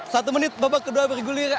satu menit babak kedua bergulir